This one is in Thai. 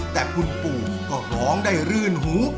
แต่คุณปู่ก็ร้องได้รื่นหู